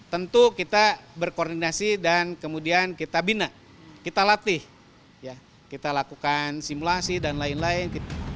tentu kita berkoordinasi dan kemudian kita bina kita latih kita lakukan simulasi dan lain lain